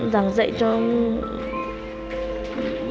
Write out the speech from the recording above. giảng dạy cho mình